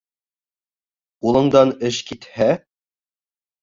Ҡулыңдан эш китһә